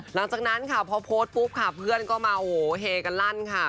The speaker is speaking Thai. หลังจากนั้นค่ะพอโพสต์ปุ๊บค่ะเพื่อนก็มาโอ้โหเฮกันลั่นค่ะ